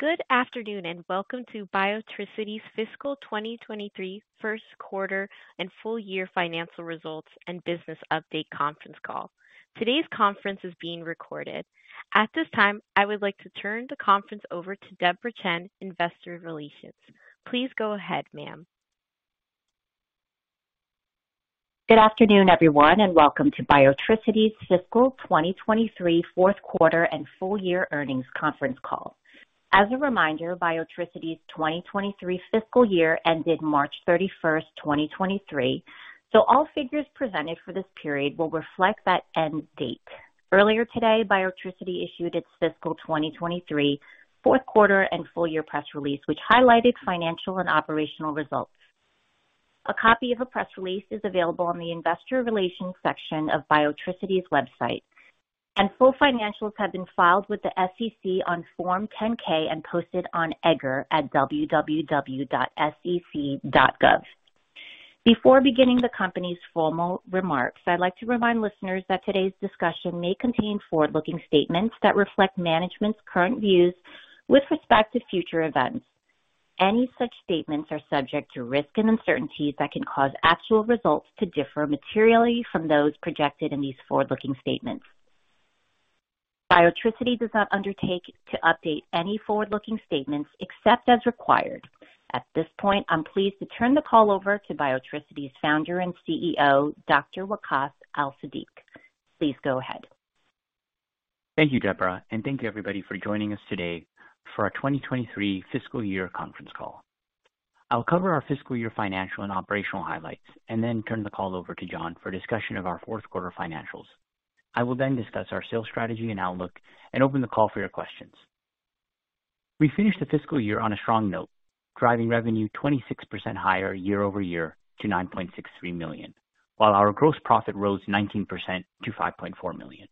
Good afternoon. Welcome to Biotricity's fiscal 2023 first quarter and full year financial results and business update conference call. Today's conference is being recorded. At this time, I would like to turn the conference over to Debra Chen, Investor Relations. Please go ahead, ma'am. Good afternoon, everyone, and welcome to Biotricity's fiscal 2023 fourth quarter and full year earnings conference call. As a reminder, Biotricity's 2023 fiscal year ended March 31st, 2023, so all figures presented for this period will reflect that end date. Earlier today, Biotricity issued its fiscal 2023, fourth quarter and full year press release, which highlighted financial and operational results. A copy of a press release is available on the investor relations section of Biotricity's website, and full financials have been filed with the SEC on Form 10-K and posted on EDGAR at www.sec.gov. Before beginning the company's formal remarks, I'd like to remind listeners that today's discussion may contain forward-looking statements that reflect management's current views with respect to future events. Any such statements are subject to risks and uncertainties that can cause actual results to differ materially from those projected in these forward-looking statements. Biotricity does not undertake to update any forward-looking statements except as required. At this point, I'm pleased to turn the call over to Biotricity's Founder and CEO, Dr. Waqaas Al-Siddiq. Please go ahead. Thank you, Deborah, and thank you, everybody, for joining us today for our 2023 fiscal year conference call. I'll cover our fiscal year financial and operational highlights and then turn the call over to John for a discussion of our fourth quarter financials. I will discuss our sales strategy and outlook and open the call for your questions. We finished the fiscal year on a strong note, driving revenue 26% higher year-over-year to $9.63 million, while our gross profit rose 19% to $5.4 million.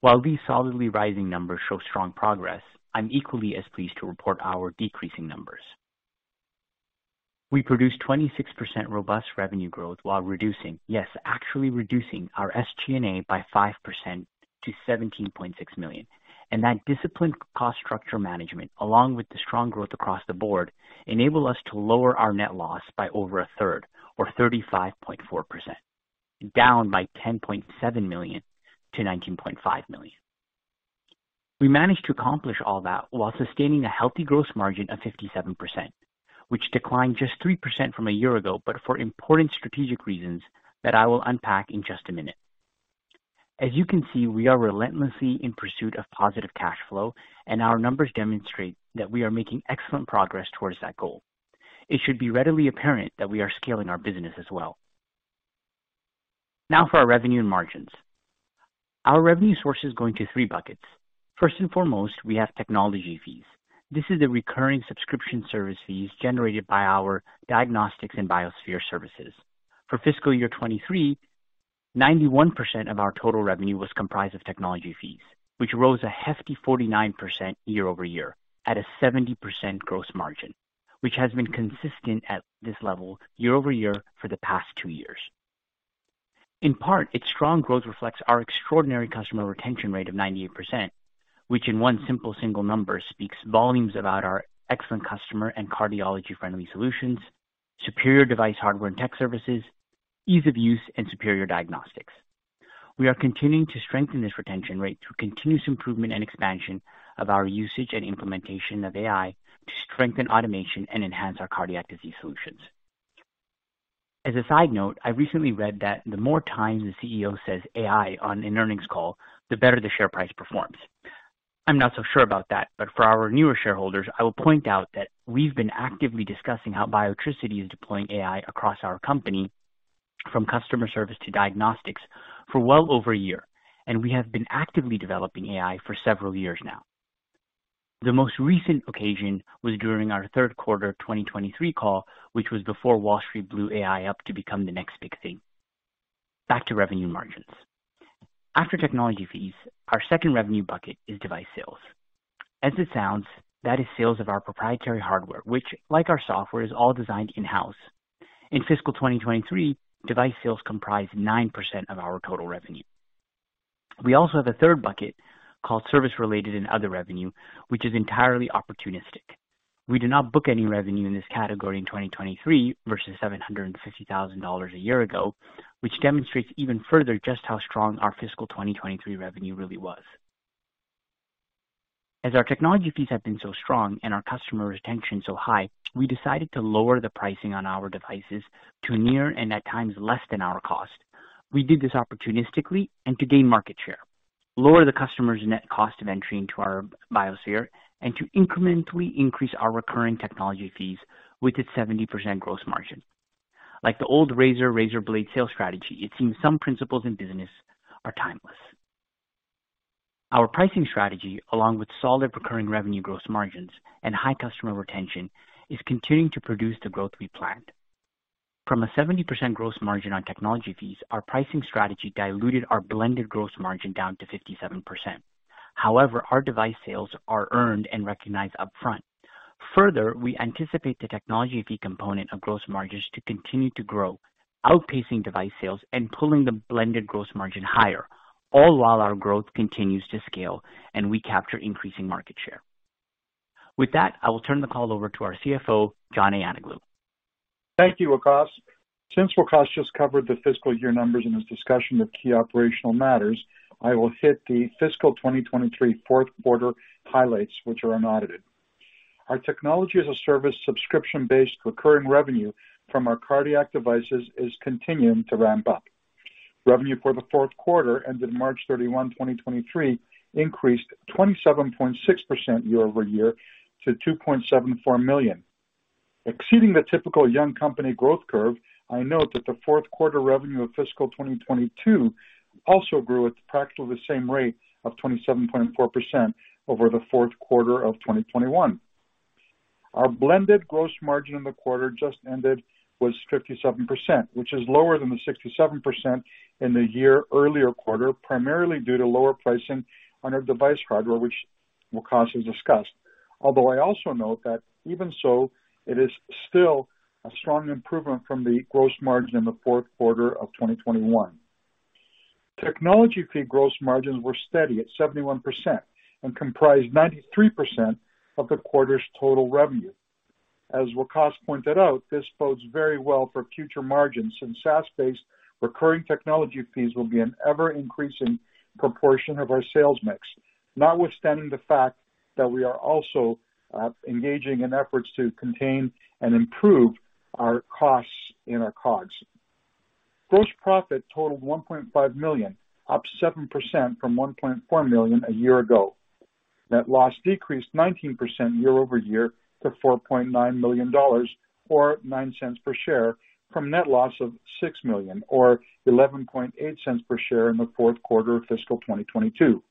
While these solidly rising numbers show strong progress, I'm equally as pleased to report our decreasing numbers. We produced 26% robust revenue growth while reducing, yes, actually reducing our SG&A by 5% to $17.6 million. That disciplined cost structure management, along with the strong growth across the board, enabled us to lower our net loss by over a third or 35.4%, down by $10.7 million to $19.5 million. We managed to accomplish all that while sustaining a healthy gross margin of 57%, which declined just 3% from a year ago, but for important strategic reasons that I will unpack in just a minute. As you can see, we are relentlessly in pursuit of positive cash flow, and our numbers demonstrate that we are making excellent progress towards that goal. It should be readily apparent that we are scaling our business as well. Now for our revenue and margins. Our revenue sources go into three buckets. First and foremost, we have technology fees. This is the recurring subscription service fees generated by our diagnostics and Biosphere services. For fiscal year 23, 91% of our total revenue was comprised of technology fees, which rose a hefty 49% year-over-year at a 70% gross margin, which has been consistent at this level year-over-year for the past 2 years. In part, its strong growth reflects our extraordinary customer retention rate of 98%, which in one simple single number speaks volumes about our excellent customer and cardiology-friendly solutions, superior device hardware and tech services, ease of use and superior diagnostics. We are continuing to strengthen this retention rate through continuous improvement and expansion of our usage and implementation of AI to strengthen automation and enhance our cardiac disease solutions. As a side note, I recently read that the more times the CEO says AI on an earnings call, the better the share price performs. I'm not so sure about that. For our newer shareholders, I will point out that we've been actively discussing how Biotricity is deploying AI across our company, from customer service to diagnostics, for well over a year, and we have been actively developing AI for several years now. The most recent occasion was during our third quarter 2023 call, which was before Wall Street blew AI up to become the next big thing. Back to revenue margins. After technology fees, our second revenue bucket is device sales. As it sounds, that is sales of our proprietary hardware, which, like our software, is all designed in-house. In fiscal 2023, device sales comprised 9% of our total revenue. We also have a third bucket called service-related and other revenue, which is entirely opportunistic. We do not book any revenue in this category in 2023 versus $750,000 a year ago, which demonstrates even further just how strong our fiscal 2023 revenue really was. Our technology fees have been so strong and our customer retention so high, we decided to lower the pricing on our devices to near and at times less than our cost. We did this opportunistically and to gain market share, lower the customer's net cost of entry into our Biosphere and to incrementally increase our recurring technology fees with its 70% gross margin. Like the old razor blade sales strategy, it seems some principles in business are timeless. Our pricing strategy, along with solid recurring revenue gross margins and high customer retention, is continuing to produce the growth we planned. From a 70% gross margin on technology fees, our pricing strategy diluted our blended gross margin down to 57%. However, our device sales are earned and recognized upfront. Further, we anticipate the technology fee component of gross margins to continue to grow, outpacing device sales and pulling the blended gross margin higher, all while our growth continues to scale and we capture increasing market share. With that, I will turn the call over to our CFO, John Ayanoglou. Thank you, Waqas. Since Waqas just covered the fiscal year numbers in his discussion of key operational matters, I will hit the fiscal 2023 fourth quarter highlights, which are unaudited. Our technology-as-a-service subscription-based recurring revenue from our cardiac devices is continuing to ramp up. Revenue for the fourth quarter, ended March 31, 2023, increased 27.6% year-over-year to $2.74 million. Exceeding the typical young company growth curve, I note that the fourth quarter revenue of fiscal 2022 also grew at practically the same rate of 27.4% over the fourth quarter of 2021. Our blended gross margin in the quarter just ended was 57%, which is lower than the 67% in the year earlier quarter, primarily due to lower pricing on our device hardware, which Waqas has discussed. I also note that even so, it is still a strong improvement from the gross margin in the fourth quarter of 2021. Technology fee gross margins were steady at 71% and comprised 93% of the quarter's total revenue. As Waqas pointed out, this bodes very well for future margins, since SaaS-based recurring technology fees will be an ever-increasing proportion of our sales mix, notwithstanding the fact that we are also engaging in efforts to contain and improve our costs and our COGS. Gross profit totaled $1.5 million, up 7% from $1.4 million a year ago. Net loss decreased 19% year-over-year to $4.9 million, or $0.09 per share, from net loss of $6 million, or $0.118 per share in the fourth quarter of fiscal 2022.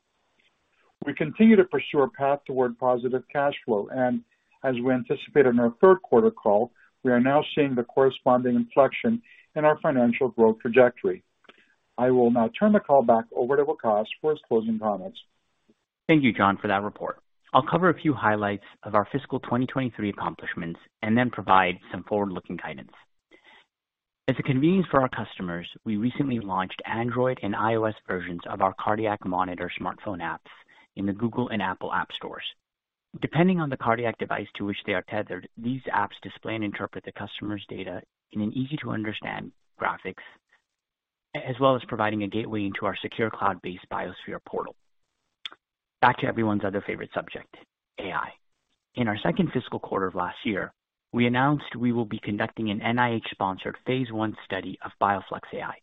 We continue to pursue a path toward positive cash flow, and as we anticipated on our third quarter call, we are now seeing the corresponding inflection in our financial growth trajectory. I will now turn the call back over to Waqas for his closing comments. Thank you, John, for that report. I'll cover a few highlights of our fiscal 2023 accomplishments and then provide some forward-looking guidance. As a convenience for our customers, we recently launched Android and iOS versions of our cardiac monitor smartphone apps in the Google and Apple app stores. Depending on the cardiac device to which they are tethered, these apps display and interpret the customer's data in an easy-to-understand graphics, as well as providing a gateway into our secure, cloud-based Biosphere portal. Back to everyone's other favorite subject, AI. In our 2nd fiscal quarter of last year, we announced we will be conducting an NIH-sponsored Phase I study of Bioflux AI,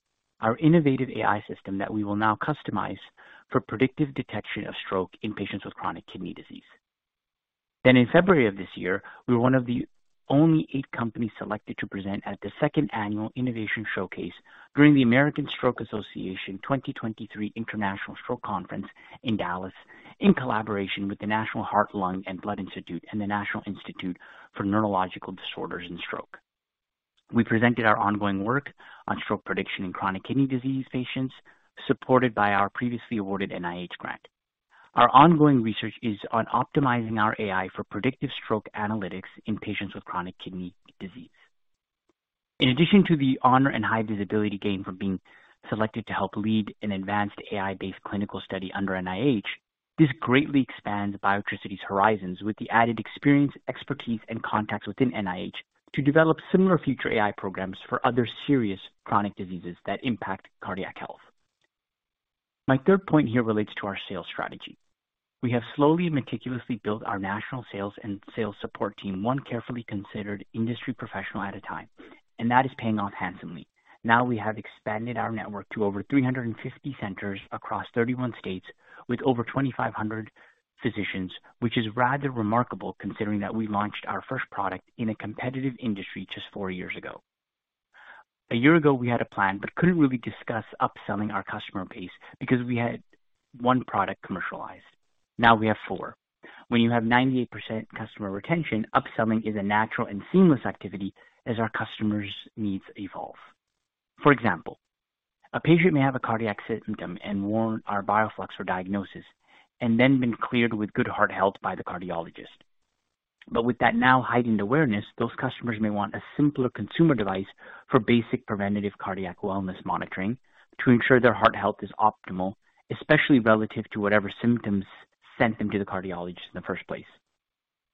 our innovative AI system that we will now customize for predictive detection of stroke in patients with chronic kidney disease. In February of this year, we were one of the only eight companies selected to present at the second annual Innovation Showcase during the American Stroke Association 2023 International Stroke Conference in Dallas, in collaboration with the National Heart, Lung, and Blood Institute and the National Institute of Neurological Disorders and Stroke. We presented our ongoing work on stroke prediction in chronic kidney disease patients, supported by our previously awarded NIH grant. Our ongoing research is on optimizing our AI for predictive stroke analytics in patients with chronic kidney disease. In addition to the honor and high visibility gained from being selected to help lead an advanced AI-based clinical study under NIH, this greatly expands Biotricity's horizons with the added experience, expertise and contacts within NIH to develop similar future AI programs for other serious chronic diseases that impact cardiac health. My third point here relates to our sales strategy. We have slowly and meticulously built our national sales and sales support team, 1 carefully considered industry professional at a time, and that is paying off handsomely. Now we have expanded our network to over 350 centers across 31 states with over 2,500 physicians, which is rather remarkable considering that we launched our first product in a competitive industry just 4 years ago. A year ago, we had a plan but couldn't really discuss upselling our customer base because we had 1 product commercialized. Now we have 4. When you have 98% customer retention, upselling is a natural and seamless activity as our customers' needs evolve. For example, a patient may have a cardiac symptom and warrant our Bioflux for diagnosis and then been cleared with good heart health by the cardiologist. With that now heightened awareness, those customers may want a simpler consumer device for basic preventative cardiac wellness monitoring to ensure their heart health is optimal, especially relative to whatever symptoms sent them to the cardiologist in the first place.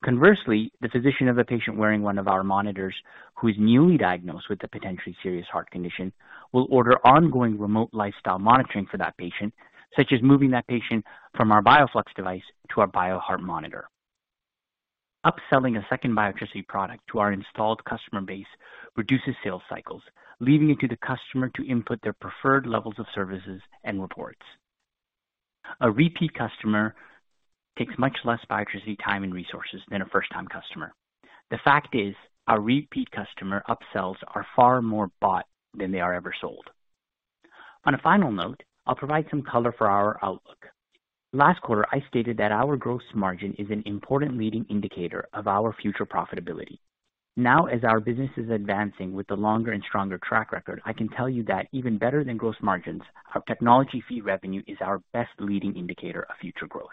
Conversely, the physician of a patient wearing one of our monitors, who is newly diagnosed with a potentially serious heart condition, will order ongoing remote lifestyle monitoring for that patient, such as moving that patient from our Bioflux device to our Bioheart monitor. Upselling a second Biotricity product to our installed customer base reduces sales cycles, leaving it to the customer to input their preferred levels of services and reports. A repeat customer takes much less Biotricity time and resources than a first-time customer. The fact is, our repeat customer upsells are far more bought than they are ever sold. On a final note, I'll provide some color for our outlook. Last quarter, I stated that our gross margin is an important leading indicator of our future profitability. As our business is advancing with the longer and stronger track record, I can tell you that even better than gross margins, our technology fee revenue is our best leading indicator of future growth.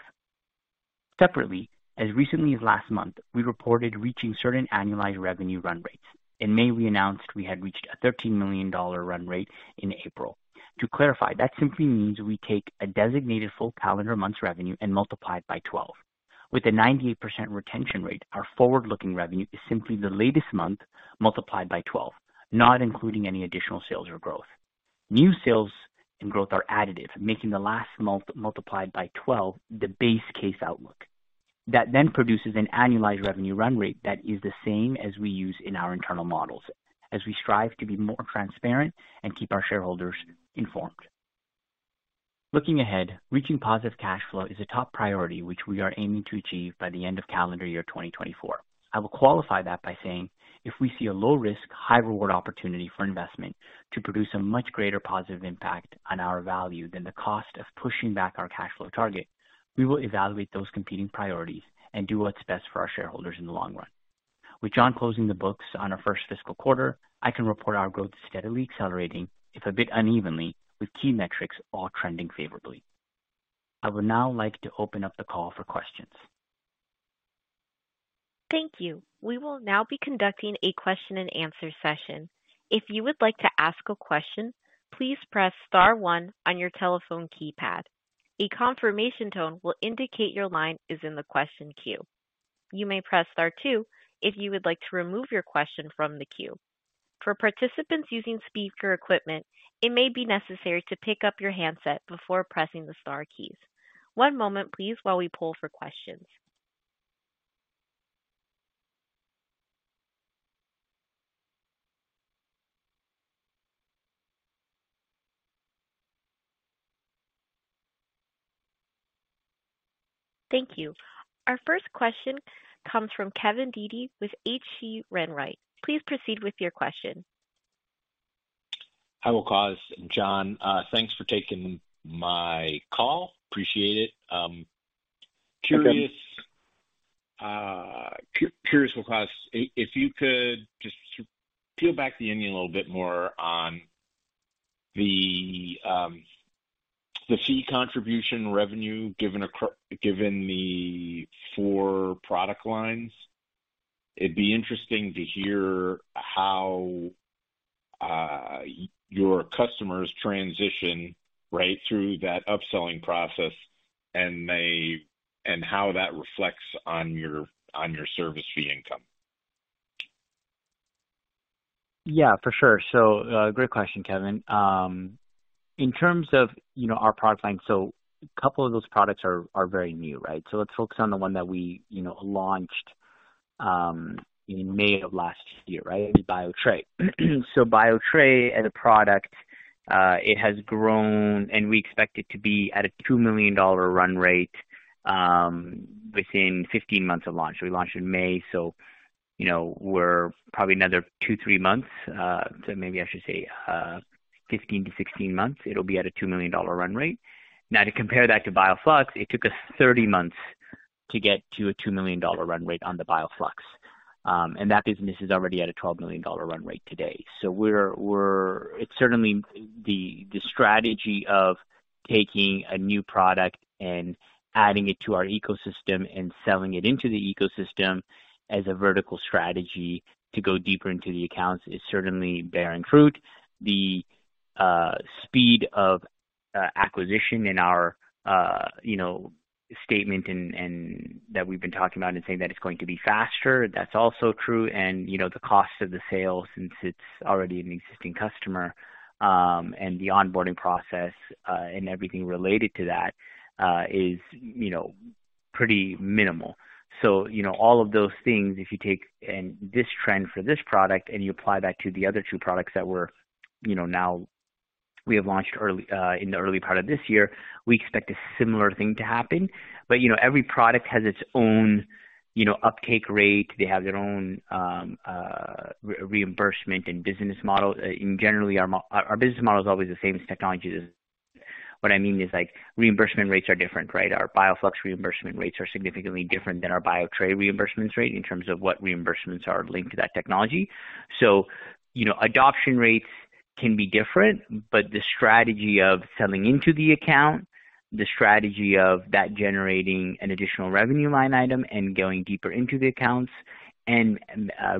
Separately, as recently as last month, we reported reaching certain annualized revenue run rates. In May, we announced we had reached a $13 million run rate in April. To clarify, that simply means we take a designated full calendar month's revenue and multiply it by 12. With a 98% retention rate, our forward-looking revenue is simply the latest month multiplied by 12, not including any additional sales or growth. New sales and growth are additive, making the last month multiplied by 12 the base case outlook. That then produces an annualized revenue run rate that is the same as we use in our internal models, as we strive to be more transparent and keep our shareholders informed. Looking ahead, reaching positive cash flow is a top priority, which we are aiming to achieve by the end of calendar year 2024. I will qualify that by saying, if we see a low risk, high reward opportunity for investment to produce a much greater positive impact on our value than the cost of pushing back our cash flow target, we will evaluate those competing priorities and do what's best for our shareholders in the long run. With John closing the books on our first fiscal quarter, I can report our growth is steadily accelerating, if a bit unevenly, with key metrics all trending favorably. I would now like to open up the call for questions. Thank you. We will now be conducting a question and answer session. If you would like to ask a question, please press star one on your telephone keypad. A confirmation tone will indicate your line is in the question queue. You may press star two if you would like to remove your question from the queue. For participants using speaker equipment, it may be necessary to pick up your handset before pressing the star keys. One moment, please, while we pull for questions. Thank you. Our first question comes from Kevin Dede with H.C. Wainwright. Please proceed with your question. Hi, Wakas and John. Thanks for taking my call. Appreciate it. Curious, Wakas, if you could just peel back the onion a little bit more on the fee contribution revenue, given the four product lines, it'd be interesting to hear how your customers transition, right, through that upselling process and how that reflects on your service fee income. Yeah, for sure. Great question, Kevin. In terms of, you know, our product line, a couple of those products are very new, right? Let's focus on the one that we, you know, launched in May of last year, right, Biotres. Biotres as a product, it has grown, and we expect it to be at a $2 million run rate within 15 months of launch. We launched in May, you know, we're probably another two, three months, maybe I should say 15-16 months, it'll be at a $2 million run rate. To compare that to BioFlux, it took us 30 months to get to a $2 million run rate on the BioFlux. That business is already at a $12 million run rate today. It's certainly the strategy of taking a new product and adding it to our ecosystem and selling it into the ecosystem as a vertical strategy to go deeper into the accounts is certainly bearing fruit. The speed of acquisition in our, you know, statement and that we've been talking about and saying that it's going to be faster, that's also true. You know, the cost of the sale, since it's already an existing customer, and the onboarding process and everything related to that is, you know, pretty minimal. You know, all of those things, if you take and this trend for this product and you apply that to the other two products that we're, you know, now we have launched early in the early part of this year, we expect a similar thing to happen. You know, every product has its own, you know, uptake rate. They have their own reimbursement and business model. Generally, our business model is always the same as technology. What I mean is, like, reimbursement rates are different, right? Our Bioflux reimbursement rates are significantly different than our Biotres reimbursements rate in terms of what reimbursements are linked to that technology. You know, adoption rates can be different, but the strategy of selling into the account, the strategy of that generating an additional revenue line item and going deeper into the accounts and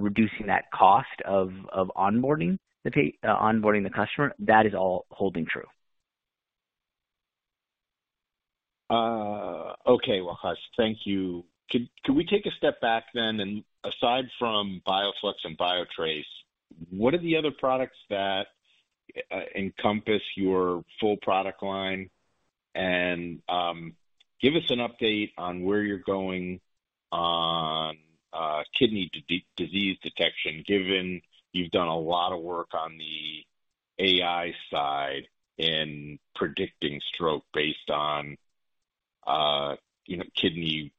reducing that cost of onboarding the customer, that is all holding true. Okay, Waqas, thank you. Can we take a step back then, aside from Bioflux and Biotres, what are the other products that encompass your full product line? Give us an update on where you're going on kidney disease detection, given you've done a lot of work on the AI side in predicting stroke based on, you know, kidney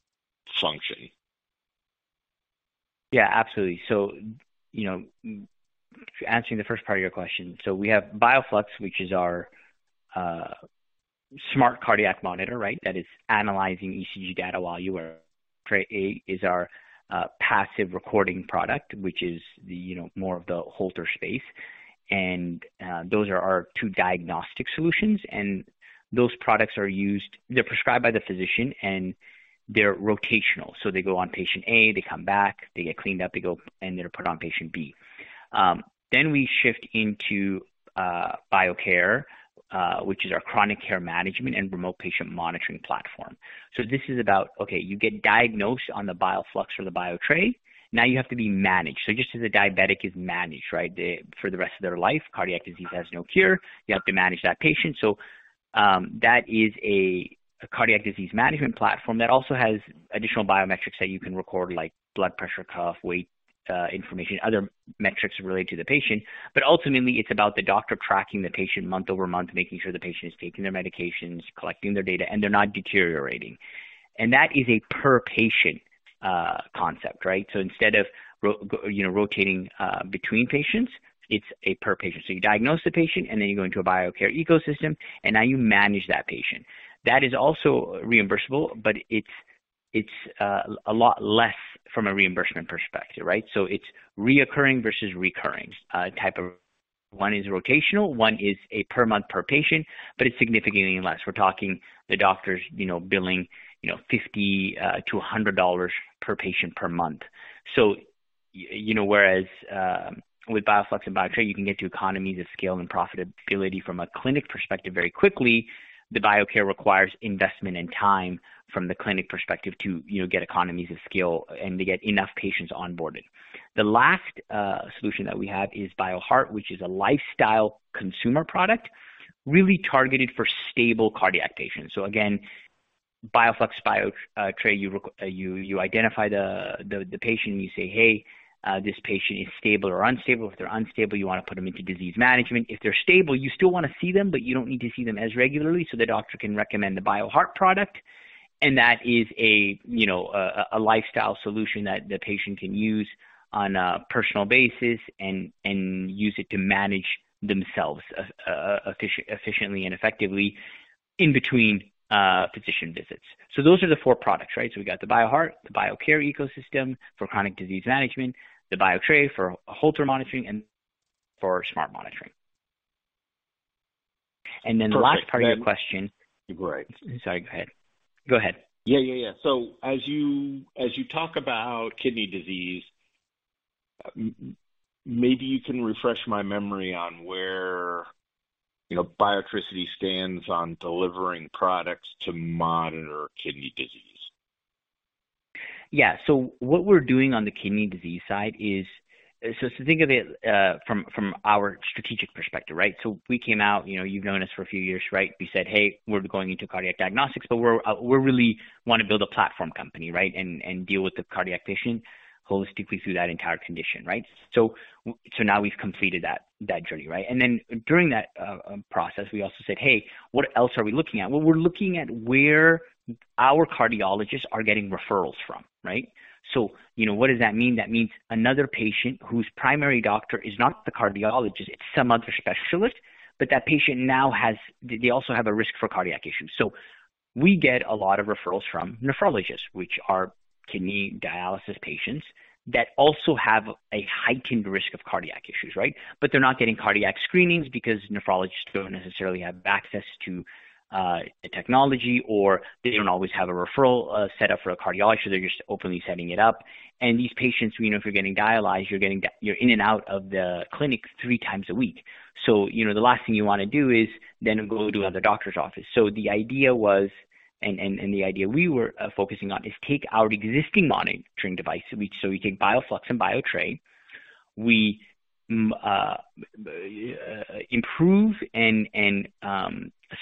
function. Yeah, absolutely. You know, answering the first part of your question, we have Bioflux, which is our smart cardiac monitor, right? That is analyzing ECG data while you are. Tray A is our passive recording product, which is the, you know, more of the Holter space. Those are our two diagnostic solutions, and those products are used. They're prescribed by the physician, and they're rotational. They go on patient A, they come back, they get cleaned up, they go, and they're put on patient B. We shift into Biocare, which is our chronic care management and remote patient monitoring platform. This is about, okay, you get diagnosed on the Bioflux or the BioTray. Now you have to be managed. Just as a diabetic is managed, right, for the rest of their life, cardiac disease has no cure. You have to manage that patient. That is a cardiac disease management platform that also has additional biometrics that you can record, like blood pressure, cough, weight, information, other metrics related to the patient. Ultimately, it's about the doctor tracking the patient month-over-month, making sure the patient is taking their medications, collecting their data, and they're not deteriorating. That is a per patient concept, right? Instead of, you know, rotating between patients, it's a per patient. You diagnose the patient, you go into a BioCare ecosystem, you manage that patient. That is also reimbursable, it's a lot less from a reimbursement perspective, right? It's reoccurring versus recurring type of... One is rotational, one is a per month per patient, it's significantly less. We're talking the doctors, you know, billing, you know, $50 to $100 per patient per month. you know, whereas, with Bioflux and BioTray, you can get to economies of scale and profitability from a clinic perspective very quickly, the Biocare requires investment and time from the clinic perspective to, you know, get economies of scale and to get enough patients onboarded. The last solution that we have is Bioheart, which is a lifestyle consumer product really targeted for stable cardiac patients. again, Bioflux, Bio, Tray, you identify the patient, and you say, "Hey, this patient is stable or unstable." If they're unstable, you want to put them into disease management. If they're stable, you still want to see them, but you don't need to see them as regularly, the doctor can recommend the Bioheart product, and that is a, you know, a lifestyle solution that the patient can use on a personal basis and use it to manage themselves efficiently and effectively in between physician visits. Those are the four products, right? We got the Bioheart, the Biocare ecosystem for chronic disease management, the Biotres for Holter monitoring, and for smart monitoring. The last part of your question. Right. Sorry, go ahead. Yeah, yeah. As you, as you talk about kidney disease, maybe you can refresh my memory on where, you know, Biotricity stands on delivering products to monitor kidney disease. Yeah. What we're doing on the kidney disease side is. Think of it from our strategic perspective, right? We came out, you know, you've known us for a few years, right? We said, "Hey, we're going into cardiac diagnostics, but we're really want to build a platform company, right? And deal with the cardiac patient holistically through that entire condition, right?" Now we've completed that journey, right? During that process, we also said, "Hey, what else are we looking at?" Well, we're looking at where our cardiologists are getting referrals from, right? What does that mean? That means another patient whose primary doctor is not the cardiologist, it's some other specialist, but that patient now they also have a risk for cardiac issues. We get a lot of referrals from nephrologists, which are kidney dialysis patients, that also have a heightened risk of cardiac issues, right? They're not getting cardiac screenings because nephrologists don't necessarily have access to the technology, or they don't always have a referral set up for a cardiologist. They're just openly setting it up. These patients, you know, if you're getting dialyzed, you're in and out of the clinic 3 times a week. The last thing you want to do is then go to another doctor's office. The idea was, and the idea we were focusing on is take our existing monitoring device, which... We take BioFlux and BioTray. We improve and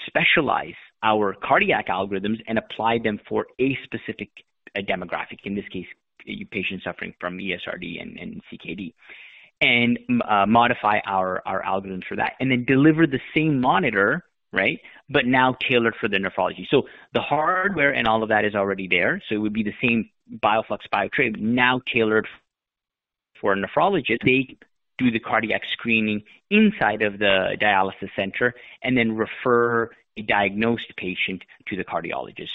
specialize our cardiac algorithms and apply them for a specific demographic, in this case, a patient suffering from ESRD and CKD, and modify algorithms for that, and then deliver the same monitor, right, but now tailored for the nephrology. The hardware and all of that is already there, so it would be the same Bioflux, BioTray, now tailored for a nephrologist. They do the cardiac screening inside of the dialysis center and then refer a diagnosed patient to the cardiologist.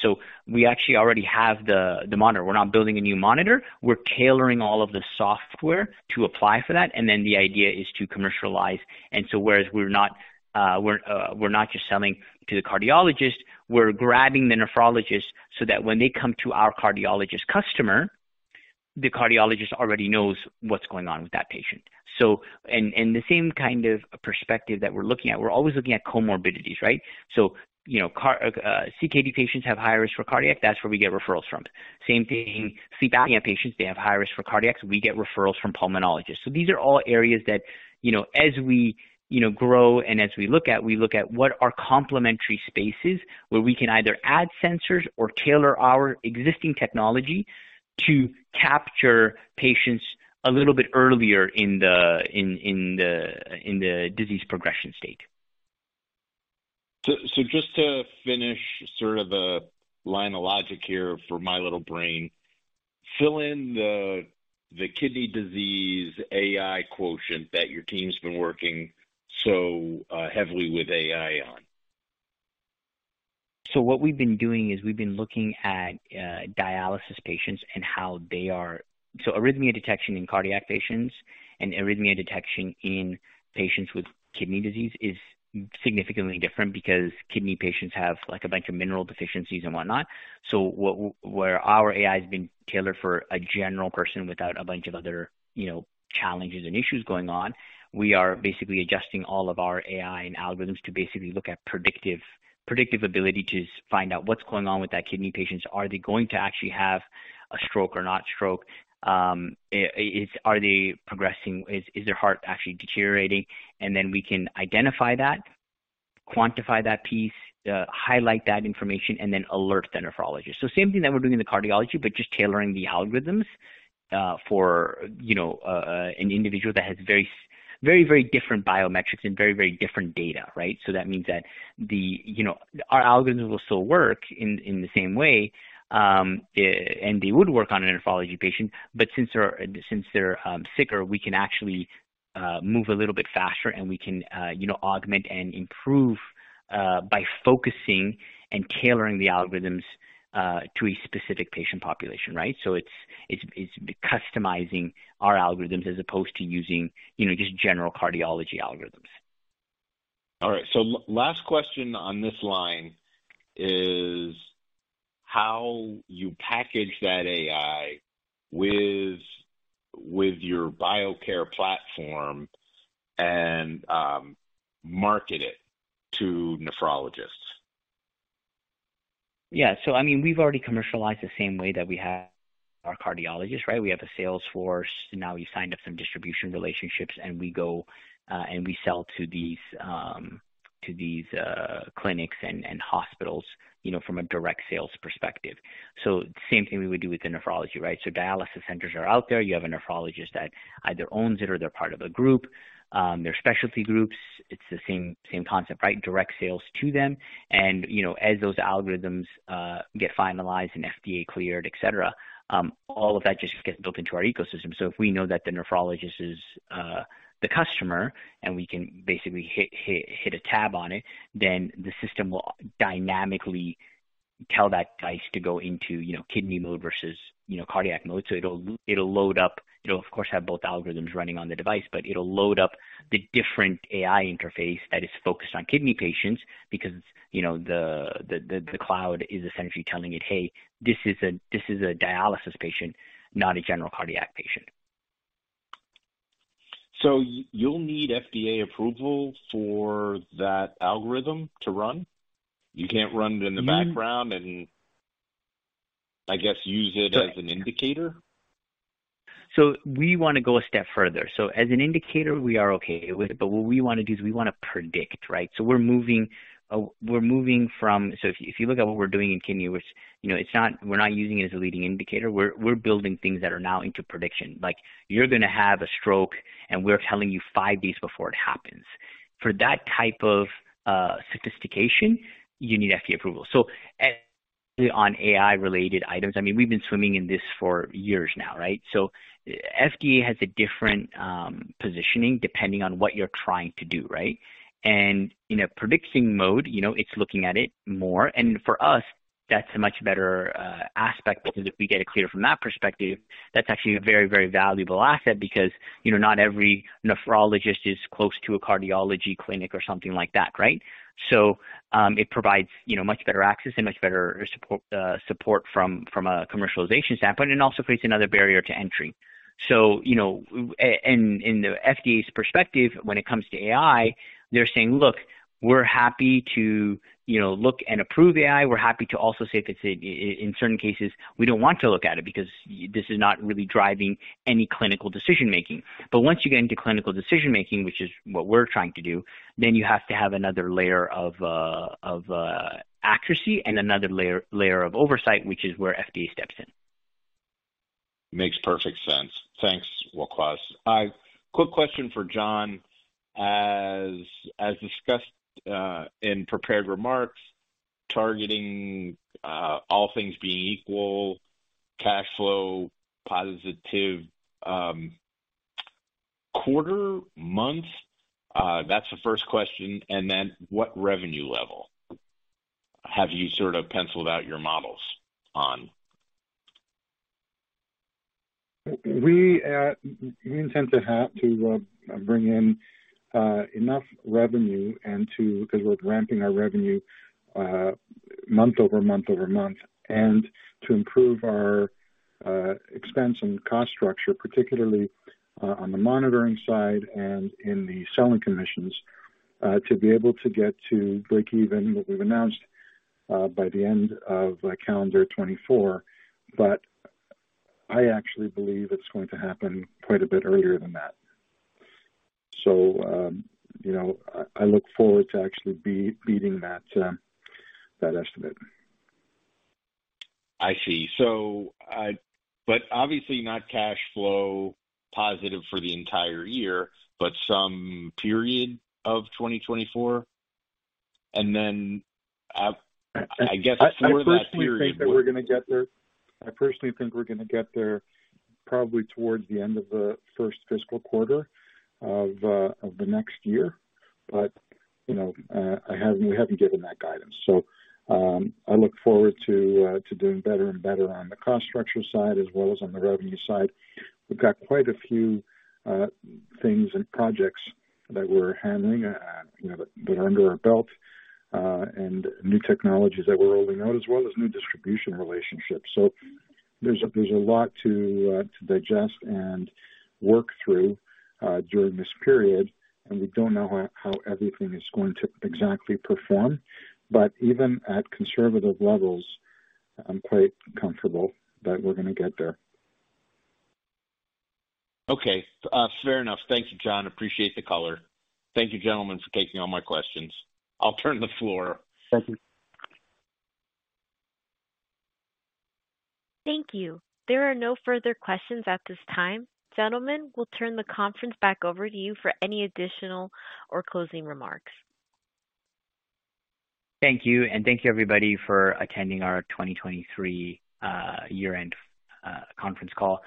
We actually already have the monitor. We're not building a new monitor, we're tailoring all of the software to apply for that, and then the idea is to commercialize. Whereas we're not just selling to the cardiologist, we're grabbing the nephrologist so that when they come to our cardiologist customer, the cardiologist already knows what's going on with that patient. The same kind of perspective that we're looking at, we're always looking at comorbidities, right? You know, CKD patients have high risk for cardiac. That's where we get referrals from. Same thing, sleep apnea patients, they have high risk for cardiac, so we get referrals from pulmoologists. These are all areas that, you know, as we, you know, grow and as we look at, we look at what are complementary spaces where we can either add sensors or tailor our existing technology to capture patients a little bit earlier in the disease progression stage. Just to finish sort of a line of logic here for my little brain. Fill in the kidney disease AI quotient that your team's been working so heavily with AI on. What we've been doing is we've been looking at dialysis patients and how they are. Arrhythmia detection in cardiac patients and arrhythmia detection in patients with kidney disease is significantly different because kidney patients have, like, a bunch of mineral deficiencies and whatnot. Where our AI has been tailored for a general person without a bunch of other, you know, challenges and issues going on, we are basically adjusting all of our AI and algorithms to basically look at predictive ability to find out what's going on with that kidney patients. Are they going to actually have a stroke or not stroke? Are they progressing? Is their heart actually deteriorating? Then we can identify that, quantify that piece, highlight that information, and then alert the nephrologist. Same thing that we're doing in the cardiology, but just tailoring the algorithms, for, you know, an individual that has very, very, very different biometrics and very, very different data, right. That means that the, you know, our algorithms will still work in the same way, and they would work on a nephrology patient, but since they're sicker, we can actually, move a little bit faster and we can, you know, augment and improve, by focusing and tailoring the algorithms, to a specific patient population, right. It's customizing our algorithms as opposed to using, you know, just general cardiology algorithms. All right. Last question on this line is how you package that AI with your Biocare platform and market it to nephrologists. Yeah. I mean, we've already commercialized the same way that we have our cardiologists, right? We have a sales force now. We've signed up some distribution relationships, and we go, and we sell to these, to these clinics and hospitals, you know, from a direct sales perspective. Same thing we would do with the nephrology, right? Dialysis centers are out there. You have a nephrologist that either owns it or they're part of a group, they're specialty groups. It's the same concept, right? Direct sales to them. You know, as those algorithms get finalized and FDA cleared, et cetera, all of that just gets built into our ecosystem. If we know that the nephrologist is the customer, and we can basically hit a tab on it, then the system will dynamically tell that device to go into, you know, kidney mode versus, you know, cardiac mode. It'll, it'll load up. It'll, of course, have both algorithms running on the device, but it'll load up the different AI interface that is focused on kidney patients because, you know, the cloud is essentially telling it, "Hey, this is a, this is a dialysis patient, not a general cardiac patient. You'll need FDA approval for that algorithm to run? You can't run it in the background. Mm-hmm. I guess, use it as an indicator? We want to go a step further. As an indicator, we are okay with it, but what we want to do is we want to predict, right? We're moving. If you look at what we're doing in kidney, which, you know, it's not, we're not using it as a leading indicator. We're building things that are now into prediction, like, "You're going to have a stroke, and we're telling you five days before it happens." For that type of sophistication, you need FDA approval. On AI-related items, I mean, we've been swimming in this for years now, right? FDA has a different positioning depending on what you're trying to do, right? And in a predicting mode, you know, it's looking at it more. For us, that's a much better aspect because if we get it cleared from that perspective, that's actually a very valuable asset because, you know, not every nephrologist is close to a cardiology clinic or something like that, right? It provides, you know, much better access and much better support from a commercialization standpoint, and it also creates another barrier to entry. In the FDA's perspective, when it comes to AI, they're saying: Look, we're happy to, you know, look and approve AI. We're happy to also say if it's in certain cases, we don't want to look at it because this is not really driving any clinical decision making. Once you get into clinical decision making, which is what we're trying to do, then you have to have another layer of accuracy and another layer of oversight, which is where FDA steps in. Makes perfect sense. Thanks, Waqas. Quick question for John. As discussed, in prepared remarks, targeting, all things being equal, cash flow positive, quarter, month? That's the first question, then what revenue level have you sort of penciled out your models on? We intend to bring in enough revenue and because we're ramping our revenue month over month over month, and to improve our expense and cost structure, particularly on the monitoring side and in the selling commissions, to be able to get to breakeven, what we've announced by the end of calendar 2024. I actually believe it's going to happen quite a bit earlier than that. You know, I look forward to actually beating that estimate. I see. but obviously not cash flow positive for the entire year, but some period of 2024? I guess... I personally think that we're gonna get there. I personally think we're gonna get there probably towards the end of the first fiscal quarter of the next year. You know, we haven't given that guidance. I look forward to doing better and better on the cost structure side as well as on the revenue side. We've got quite a few things and projects that we're handling, you know, that are under our belt, and new technologies that we're rolling out, as well as new distribution relationships. There's a lot to digest and work through during this period, and we don't know how everything is going to exactly perform. Even at conservative levels, I'm quite comfortable that we're gonna get there. Okay, fair enough. Thank you, John. Appreciate the color. Thank you, gentlemen, for taking all my questions. I'll turn the floor. Thank you. Thank you. There are no further questions at this time. Gentlemen, we'll turn the conference back over to you for any additional or closing remarks. Thank you, and thank you, everybody, for attending our 2023 year-end conference call.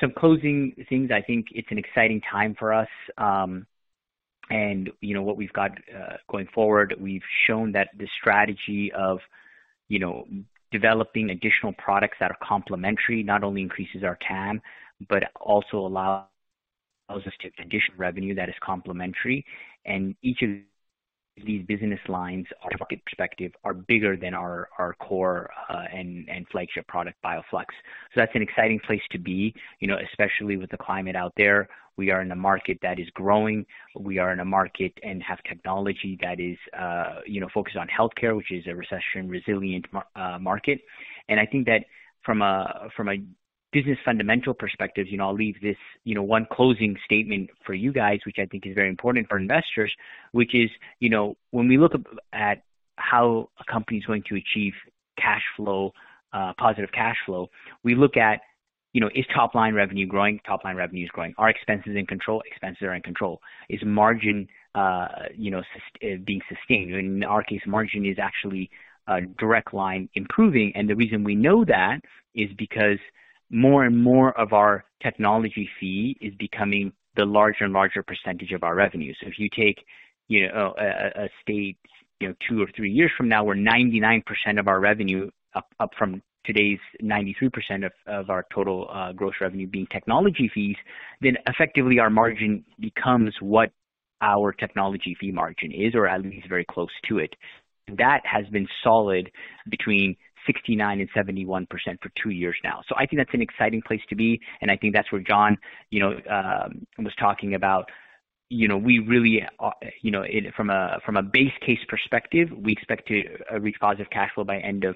Some closing things. I think it's an exciting time for us. You know what we've got going forward, we've shown that the strategy of, you know, developing additional products that are complementary not only increases our TAM, but also allows us to additional revenue that is complementary. Each of these business lines, our market perspective, are bigger than our core and flagship product, Bioflux. That's an exciting place to be, you know, especially with the climate out there. We are in a market that is growing. We are in a market and have technology that is, you know, focused on healthcare, which is a recession-resilient market. I think that from a business fundamental perspective, you know, I'll leave this, you know, one closing statement for you guys, which I think is very important for investors, which is, you know, when we look at how a company's going to achieve cash flow, positive cash flow, we look at, you know, is top line revenue growing? Top line revenue is growing. Are expenses in control? Expenses are in control. Is margin, you know, being sustained? In our case, margin is actually a direct line improving, and the reason we know that is because more and more of our technology fee is becoming the larger and larger percentage of our revenue. If you take, you know, a state, you know, 2 or 3 years from now, where 99% of our revenue, up from today's 93% of our total gross revenue being technology fees, then effectively our margin becomes what our technology fee margin is, or at least very close to it. That has been solid between 69%-71% for 2 years now. I think that's an exciting place to be, and I think that's where John, you know, was talking about. You know, we really, you know, it from a base case perspective, we expect to reach positive cash flow by end of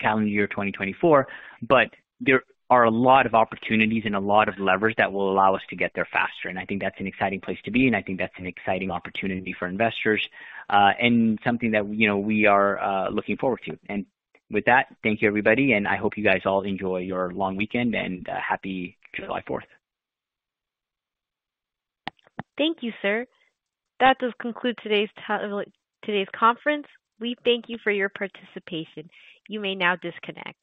calendar year 2024, but there are a lot of opportunities and a lot of levers that will allow us to get there faster. I think that's an exciting place to be, and I think that's an exciting opportunity for investors, and something that, you know, we are looking forward to. With that, thank you, everybody, and I hope you guys all enjoy your long weekend, and happy July Fourth. Thank you, sir. That does conclude today's conference. We thank you for your participation. You may now disconnect.